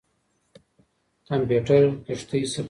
کمپيوټر کښتۍ ثبتوي.